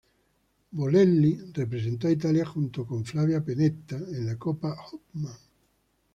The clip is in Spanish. Bolelli representó a Italia junto con Flavia Pennetta en la Copa Hopman.